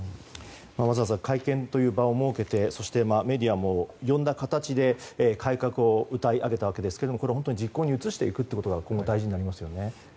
わざわざ会見という場を設けてそしてメディアも読んだ形で改革をうたい上げましたが本当に実行に移していくことが今後、大事になりますよね。